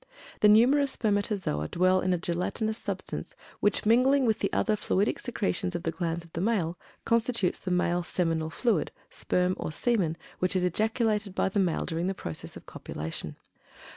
The numerous spermatozoa dwell in a gelatinous substance, which, mingling with the other fluidic secretions of the glands of the male, constitutes the male seminal fluid, sperm, or semen, which is ejaculated by the male during the process of copulation.